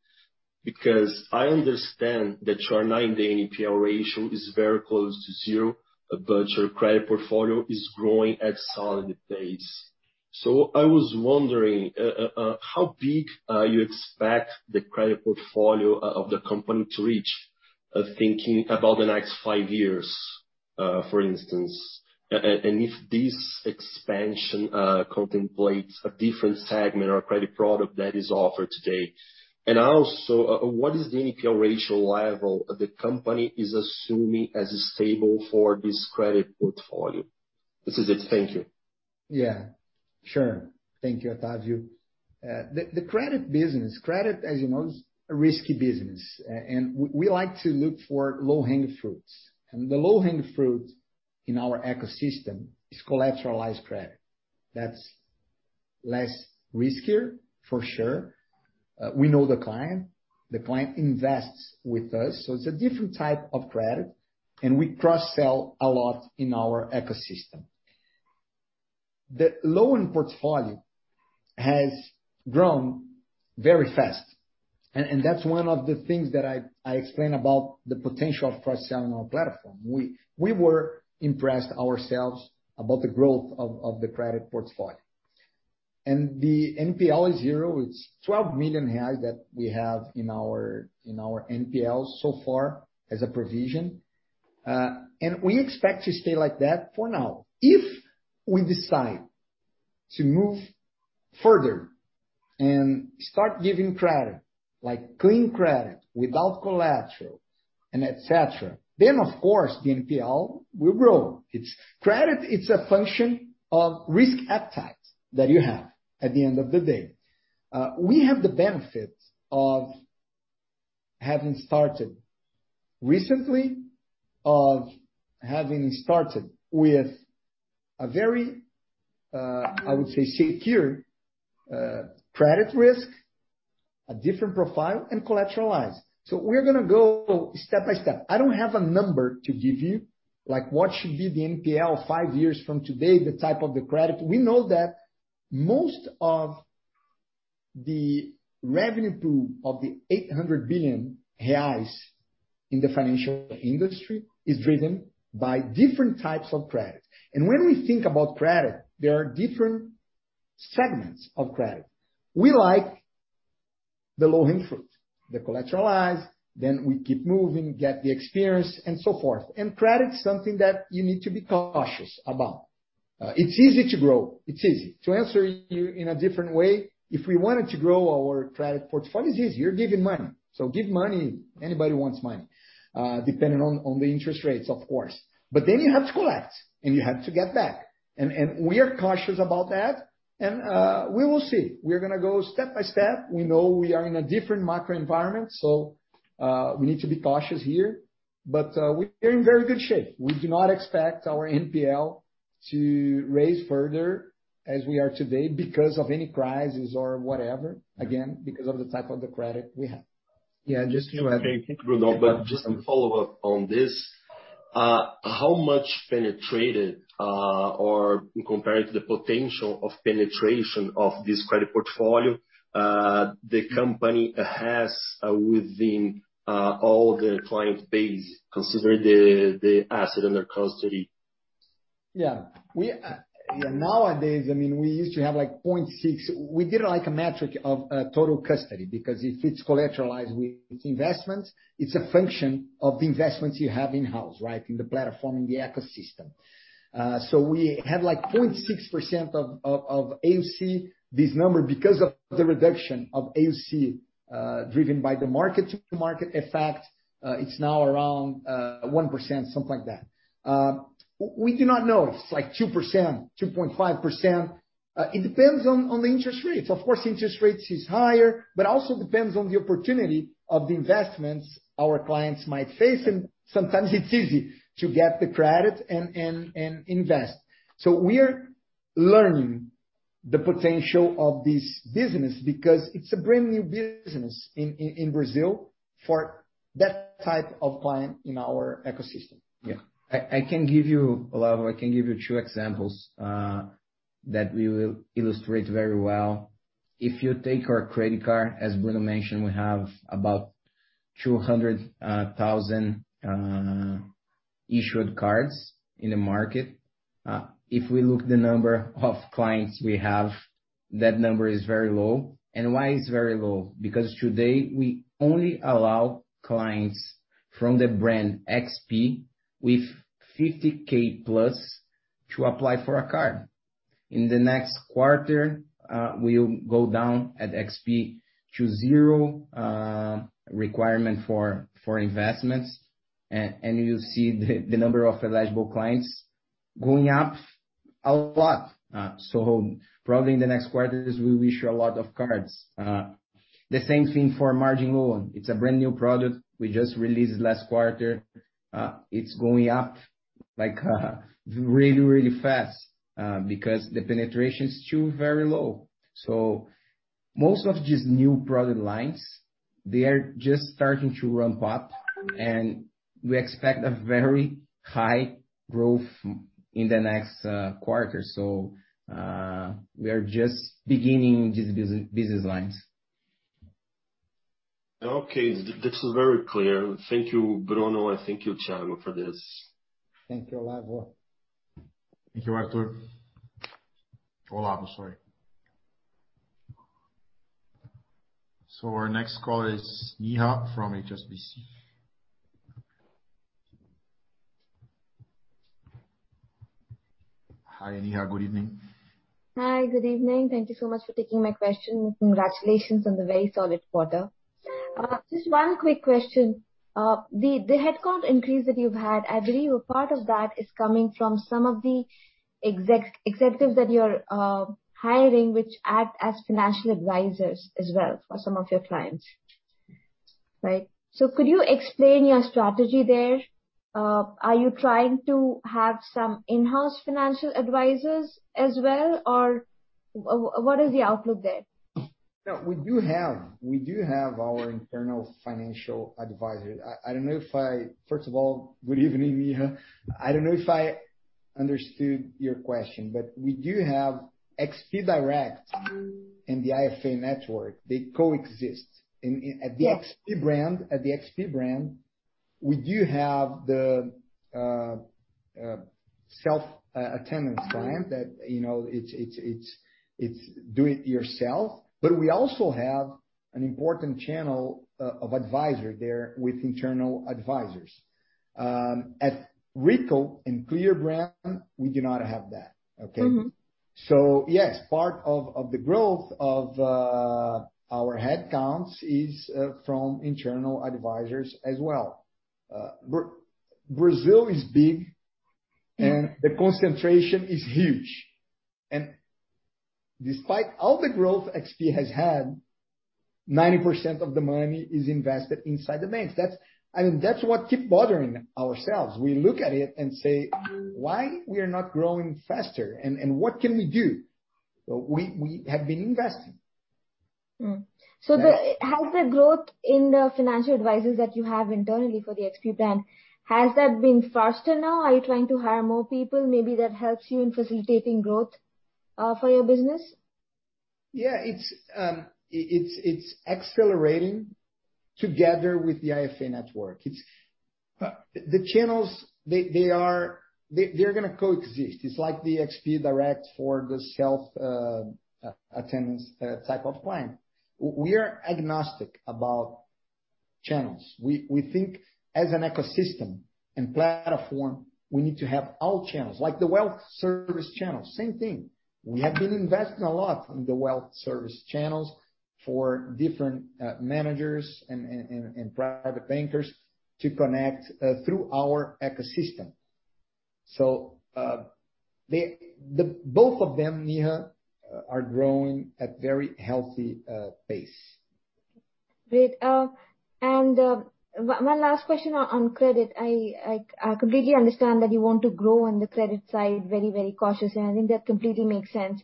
Because I understand that your 90-day NPL ratio is very close to zero, but your credit portfolio is growing at a solid pace. I was wondering how big you expect the credit portfolio of the company to reach, thinking about the next five years, for instance. If this expansion contemplates a different segment or credit product that is offered today. Also, what is the NPL ratio level the company is assuming as stable for this credit portfolio? This is it. Thank you. Yeah, sure. Thank you, Olavo. The credit business, credit, as you know, is a risky business. We like to look for low-hanging fruits. The low-hanging fruit in our ecosystem is collateralized credit. That's less riskier for sure. We know the client. The client invests with us, so it's a different type of credit and we cross-sell a lot in our ecosystem. The loan portfolio has grown very fast and that's one of the things that I explained about the potential of cross-selling our platform. We were impressed ourselves about the growth of the credit portfolio. The NPL is zero. It's 12 million reais that we have in our NPL so far as a provision. We expect to stay like that for now. If we decide to move further and start giving credit, like clean credit without collateral. Of course, the NPL will grow. It's credit, it's a function of risk appetite that you have at the end of the day. We have the benefit of having started recently with a very, I would say secure, credit risk, a different profile and collateralized. We're gonna go step by step. I don't have a number to give you, like what should be the NPL five years from today, the type of the credit. We know that most of the revenue pool of the 800 billion reais in the financial industry is driven by different types of credit. When we think about credit, there are different segments of credit. We like the low-hanging fruit, the collateralized, then we keep moving, get the experience and so forth. Credit is something that you need to be cautious about. It's easy to grow. To answer you in a different way, if we wanted to grow our credit portfolio, it's easy. You're giving money. Give money, anybody wants money, depending on the interest rates, of course. Then you have to collect and you have to get back. We are cautious about that. We will see. We're gonna go step by step. We know we are in a different macro environment, so we need to be cautious here, but we're in very good shape. We do not expect our NPL to rise further as we are today because of any crisis or whatever, again, because of the type of the credit we have. Yeah, just to add. Thank you, Bruno. Just to follow up on this, how much penetrated, or compared to the potential of penetration of this credit portfolio the company has within all the client base, considering the asset under custody? Yeah. We, yeah, nowadays, I mean, we used to have like 0.6%. We did like a metric of total custody, because if it's collateralized with investments, it's a function of the investments you have in-house, right? In the platform, in the ecosystem. So we have like 0.6% of AUC. This number, because of the reduction of AUC driven by the mark-to-market effect, it's now around 1%, something like that. We do not know if it's like 2%, 2.5%. It depends on the interest rates. Of course, interest rates is higher, but also depends on the opportunity of the investments our clients might face. Sometimes it's easy to get the credit and invest. We are learning the potential of this business because it's a brand new business in Brazil for that type of client in our ecosystem. Yeah. Olavo, I can give you two examples that we will illustrate very well. If you take our credit card, as Bruno mentioned, we have about 200,000 issued cards in the market. If we look the number of clients we have, that number is very low. Why it's very low? Because today we only allow clients from the brand XP with 50K plus to apply for a card. In the next quarter, we'll go down at XP to zero requirement for investments. And you'll see the number of eligible clients going up a lot. So probably in the next quarters we'll issue a lot of cards. The same thing for margin loan. It's a brand new product we just released last quarter. It's going up like really fast because the penetration is still very low. Most of these new product lines, they are just starting to ramp up, and we expect a very high growth in the next quarter. We are just beginning these business lines. Okay. This is very clear. Thank you, Bruno, and thank you, Thiago, for this. Thank you, Olavo. Thank you, Arthuzo. Olavo, sorry. Our next caller is Neha from HSBC. Hi, Neha. Good evening. Hi. Good evening. Thank you so much for taking my question. Congratulations on the very solid quarter. Just one quick question. The headcount increase that you've had, I believe a part of that is coming from some of the executives that you're hiring, which act as financial advisors as well for some of your clients, right? Could you explain your strategy there? Are you trying to have some in-house financial advisors as well, or what is the outlook there? No, we do have our internal financial advisors. I don't know if I. First of all, good evening, Neha. I don't know if I understood your question, but we do have XP Direct and the IFA network. They coexist. Yeah. At the XP brand, we do have the self-attended client that, you know, it's do it yourself. But we also have an important channel of advisor there with internal advisors. At Rico and Clear brand, we do not have that. Okay. Yes, part of the growth of our headcounts is from internal advisors as well. Brazil is big and the concentration is huge. Despite all the growth XP has had, 90% of the money is invested inside the banks. That's, I mean, that's what keep bothering ourselves. We look at it and say, "Why we are not growing faster, and what can we do?" We have been investing. So the- Yes. Has the growth in the financial advisors that you have internally for the XP plan, has that been faster now? Are you trying to hire more people, maybe that helps you in facilitating growth, for your business? Yeah. It's accelerating together with the IFA network. The channels are going to coexist. It's like the XP Direct for the self-attendance type of client. We are agnostic about channels. We think as an ecosystem and platform, we need to have all channels. Like the wealth service channel, same thing. We have been investing a lot in the wealth service channels for different managers and private bankers to connect through our ecosystem. So, both of them, Neha, are growing at very healthy pace. Great. One last question on credit. I completely understand that you want to grow on the credit side very cautiously, and I think that completely makes sense.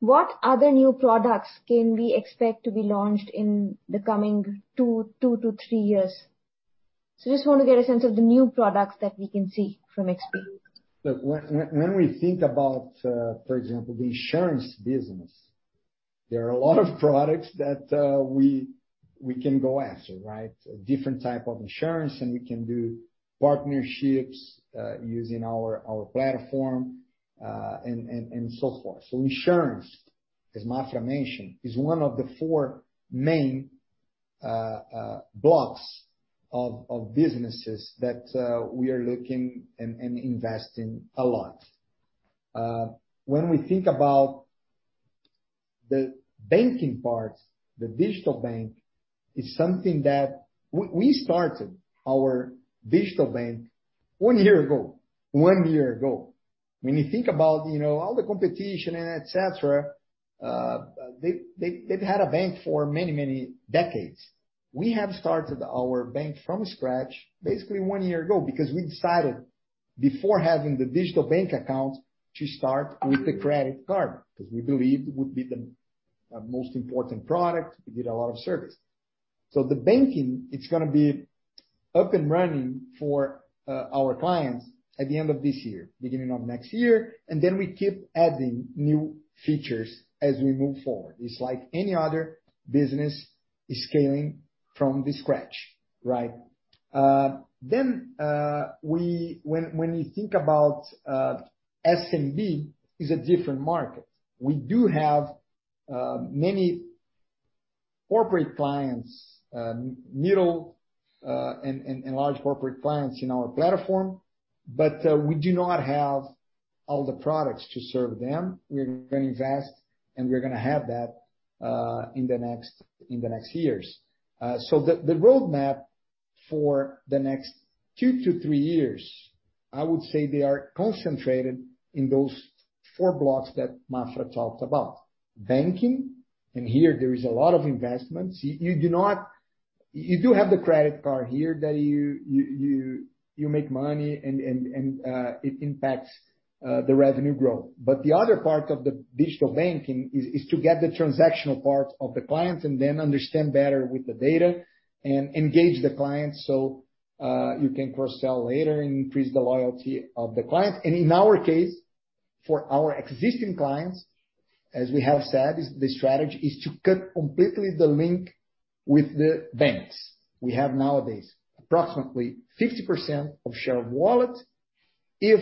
What other new products can we expect to be launched in the coming two to three years? Just wanna get a sense of the new products that we can see from XP. Look, when we think about, for example, the insurance business, there are a lot of products that we can go after, right? Different type of insurance, and we can do partnerships using our platform and so forth. Insurance, as Mafra mentioned, is one of the four main blocks of businesses that we are looking and investing a lot. When we think about the banking part, the digital bank is something that we started our digital bank one year ago. One year ago. When you think about, you know, all the competition and et cetera, they've had a bank for many decades. We have started our bank from scratch basically one year ago because we decided before having the digital bank account to start with the credit card, because we believed it would be the most important product. It did a lot of service. The banking is gonna be up and running for our clients at the end of this year, beginning of next year. We keep adding new features as we move forward. It's like any other business scaling from scratch, right? When you think about SMB, it is a different market. We do have many corporate clients, middle and large corporate clients in our platform, but we do not have all the products to serve them. We're gonna invest, and we're gonna have that in the next years. The roadmap for the next two to three years, I would say they are concentrated in those four blocks that Mafra talked about. Banking, and here there is a lot of investments. You do have the credit card here that you make money and it impacts the revenue growth. But the other part of the digital banking is to get the transactional part of the clients and then understand better with the data and engage the clients, so you can cross-sell later and increase the loyalty of the clients. In our case, for our existing clients, as we have said, the strategy is to cut completely the link with the banks. We have nowadays approximately 50% of share of wallet. If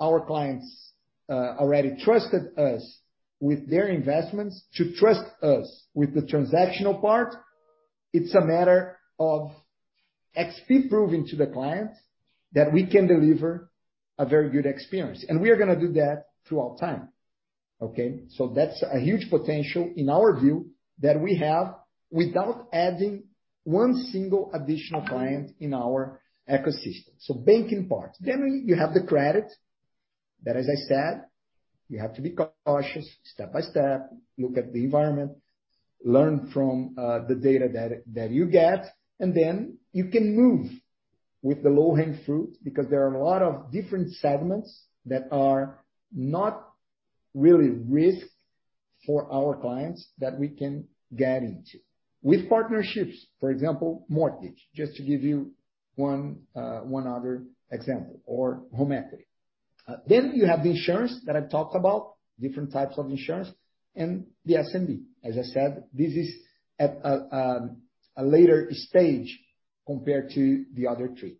our clients already trusted us with their investments, to trust us with the transactional part, it's a matter of XP proving to the clients that we can deliver a very good experience. We are gonna do that throughout time. Okay. That's a huge potential in our view that we have without adding one single additional client in our ecosystem. Banking part. You have the credit that, as I said, you have to be cautious step by step, look at the environment, learn from the data that you get, and then you can move with the low-hanging fruit because there are a lot of different segments that are not really risky for our clients that we can get into. With partnerships, for example, mortgage, just to give you one other example, or home equity. You have the insurance that I've talked about, different types of insurance and the SMB. As I said, this is at a later stage compared to the other three.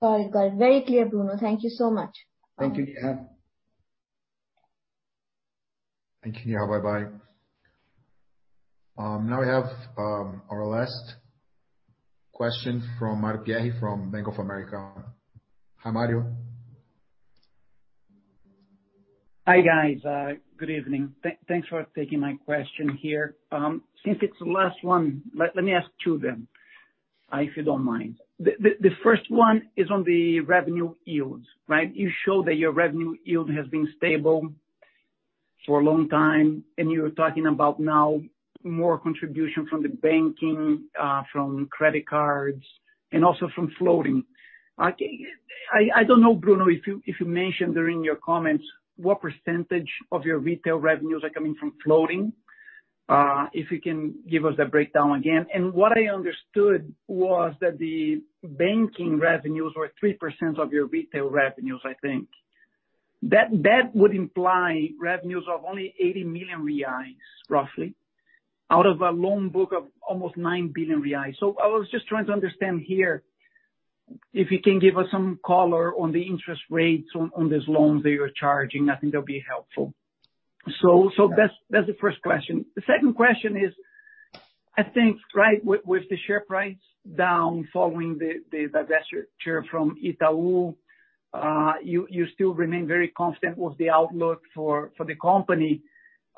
Oh, you got it very clear, Bruno. Thank you so much. Thank you, Neha. Thank you, Neha. Bye-bye. Now we have our last question from Mario Pierry from Bank of America. Hi, Mario. Hi, guys. Good evening. Thanks for taking my question here. Since it's the last one, let me ask two of them, if you don't mind. The first one is on the revenue yields, right? You show that your revenue yield has been stable for a long time, and you're talking about now more contribution from the banking, from credit cards and also from floating. I don't know, Bruno, if you mentioned during your comments what percentage of your retail revenues are coming from floating. If you can give us a breakdown again. What I understood was that the banking revenues were 3% of your retail revenues, I think. That would imply revenues of only 80 million reais, roughly, out of a loan book of almost 9 billion reais. I was just trying to understand here, if you can give us some color on the interest rates on these loans that you're charging. I think that'll be helpful. That's the first question. The second question is, I think, right, with the share price down following the divestiture from Itaú, you still remain very confident with the outlook for the company.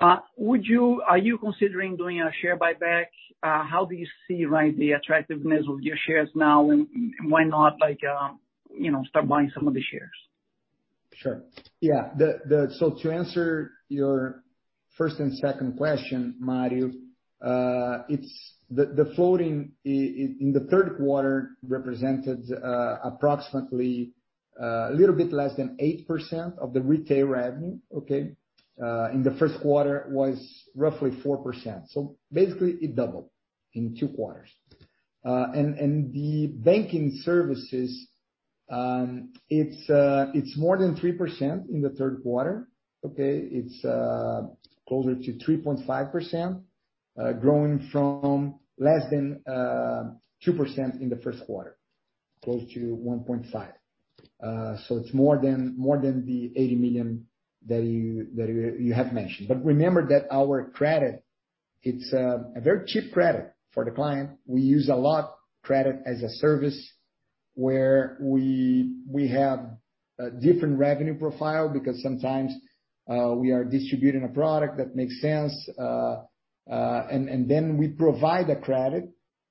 Are you considering doing a share buyback? How do you see the attractiveness of your shares now, and why not, like, you know, start buying some of the shares? To answer your first and second question, Mario, it's the floating in the third quarter represented approximately a little bit less than 8% of the retail revenue, okay? In the first quarter was roughly 4%. Basically, it doubled in two quarters. The banking services, it's more than 3% in the third quarter, okay? It's closer to 3.5%, growing from less than 2% in the first quarter, close to 1.5%. It's more than the 80 million that you have mentioned. Remember that our credit, it's a very cheap credit for the client. We use a lot of credit as a service where we have a different revenue profile because sometimes we are distributing a product that makes sense, and then we provide a credit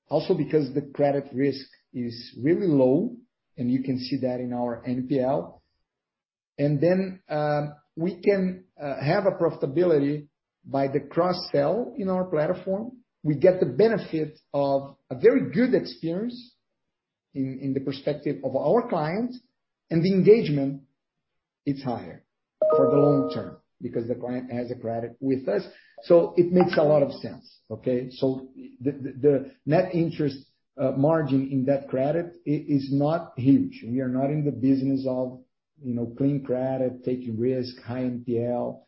also because the credit risk is really low, and you can see that in our NPL. Then we can have a profitability by the cross-sell in our platform. We get the benefit of a very good experience in the perspective of our client, and the engagement is higher for the long term because the client has a credit with us. It makes a lot of sense, okay? The net interest margin in that credit is not huge. We are not in the business of, you know, lending credit, taking risk, high NPL.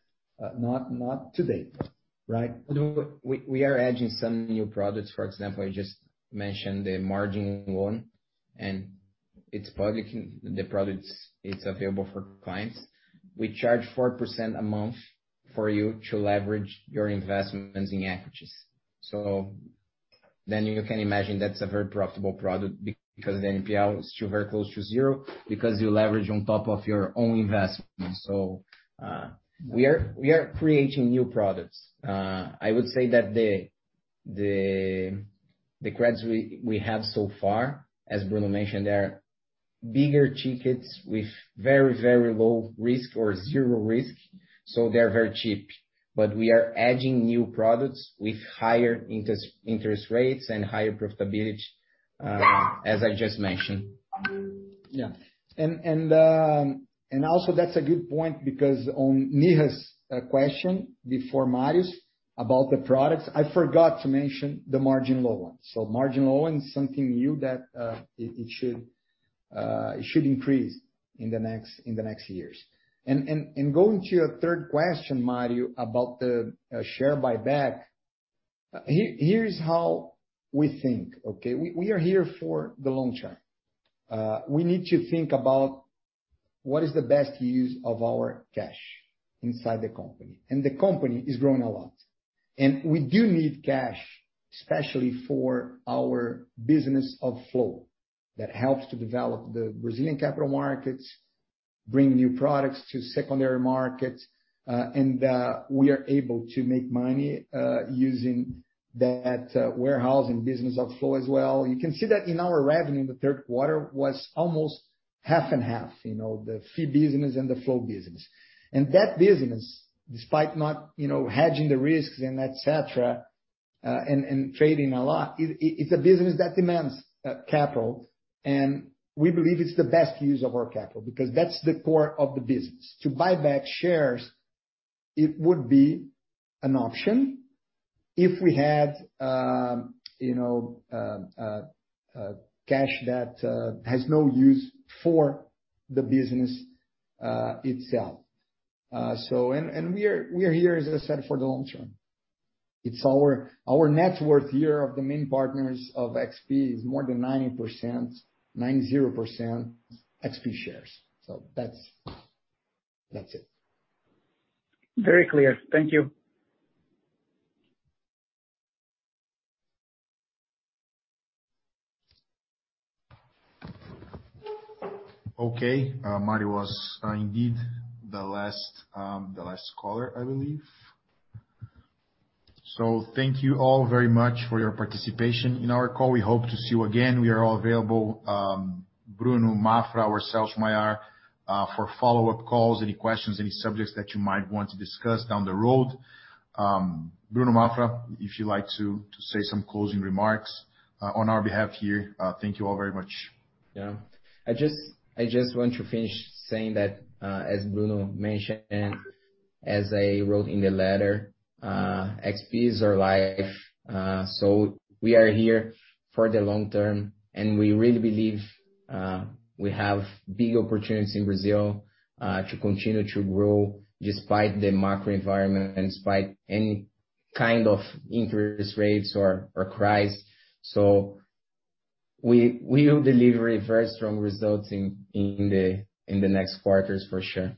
Not today, right? We are adding some new products. For example, I just mentioned the margin loan, and it's available for clients. We charge 4% a month for you to leverage your investments in equities. You can imagine that's a very profitable product because the NPL is so very close to zero because you leverage on top of your own investment. We are creating new products. I would say that the credits we have so far, as Bruno mentioned, they are bigger tickets with very low risk or zero risk, so they're very cheap. We are adding new products with higher interest rates and higher profitability, as I just mentioned. Yeah. That's a good point because on Neha's question before Mario's about the products, I forgot to mention the margin loan. Margin loan is something new that it should increase in the next years. Going to your third question, Mario, about the share buyback, here is how we think, okay? We are here for the long term. We need to think about what is the best use of our cash inside the company. The company is growing a lot. We do need cash, especially for our business of flow that helps to develop the Brazilian capital markets, bring new products to secondary markets, and we are able to make money using that warehousing business of flow as well. You can see that in our revenue in the third quarter was almost half and half, you know, the fee business and the flow business. That business, despite not, you know, hedging the risks and et cetera, trading a lot, it's a business that demands capital, and we believe it's the best use of our capital because that's the core of the business. To buy back shares, it would be an option if we had, you know, cash that has no use for the business itself. We are here, as I said, for the long term. It's our net worth here of the main partners of XP is more than 90%, 90% XP shares. That's it. Very clear. Thank you. Okay. Mario was indeed the last caller, I believe. Thank you all very much for your participation in our call. We hope to see you again. We are all available, Bruno, Mafra, ourselves, Marina Montemor, for follow-up calls, any questions, any subjects that you might want to discuss down the road. Bruno, Mafra, if you'd like to say some closing remarks on our behalf here, thank you all very much. Yeah. I just want to finish saying that, as Bruno mentioned, as I wrote in the letter, XP is our life. We are here for the long term, and we really believe we have big opportunities in Brazil to continue to grow despite the macro environment and despite any kind of interest rates or crisis. We will deliver very strong results in the next quarters for sure.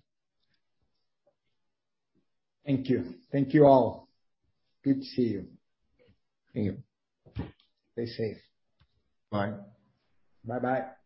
Thank you. Thank you all. Good to see you. Thank you. Stay safe. Bye. Bye-bye.